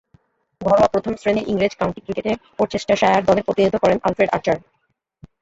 ঘরোয়া প্রথম-শ্রেণীর ইংরেজ কাউন্টি ক্রিকেটে ওরচেস্টারশায়ার দলের প্রতিনিধিত্ব করেন আলফ্রেড আর্চার।